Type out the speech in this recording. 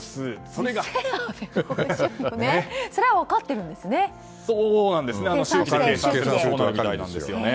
それは分かっているんですね